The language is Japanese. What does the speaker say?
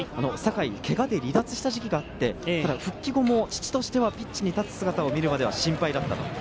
坂井、けがで離脱した時があって、復帰後も父としてはピッチに立つ姿を見るまでは心配だった。